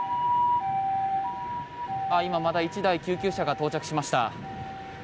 今、また１台救急車が到着しました。